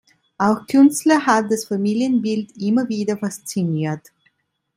Auch Künstler hat das Familienbild immer wieder fasziniert.